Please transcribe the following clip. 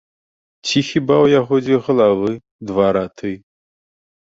Ці хіба ў яго дзве галавы, два раты?